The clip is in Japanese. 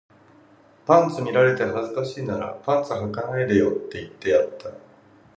パンツ見られて恥ずかしいならパンツ履かないでよって言ってやった